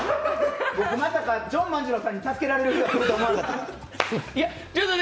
まさかジョン万次郎さんに助けられるとは思わんかった。